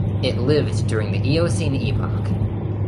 It lived during the Eocene epoch.